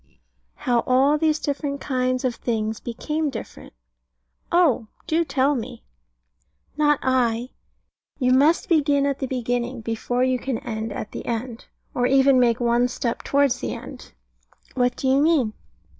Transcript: How all these different kinds of things became different. Oh, do tell me! Not I. You must begin at the beginning, before you can end at the end, or even make one step towards the end. What do you mean?